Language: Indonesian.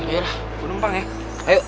yelah gue lempang ya